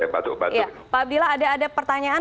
pak abdillah ada pertanyaan